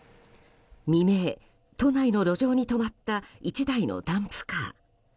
未明、都内の路上に止まった１台のダンプカー。